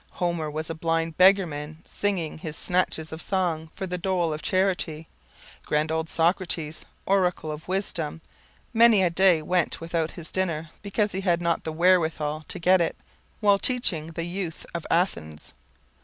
Homer was a blind beggarman singing his snatches of song for the dole of charity; grand old Socrates, oracle of wisdom, many a day went without his dinner because he had not the wherewithal to get it, while teaching the youth of Athens.